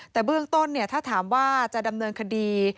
แต่เบื้องต้นถ้าถามว่าจะดำเนินคดี